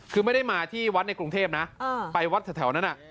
คือไม่ได้มาที่วัดในกรุงเทพนะไปวัดแถวนั้น